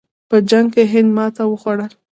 په دې جنګ کې هند ماتې وخوړه.